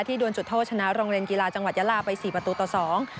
โดนจุดโทษชนะโรงเรียนกีฬาจังหวัดยาลาไปสี่ประตูต่อสอง